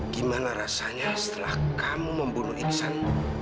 gimana rasanya setelah kamu membunuh iksan